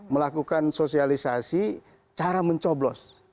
melakukan sosialisasi cara mencoblos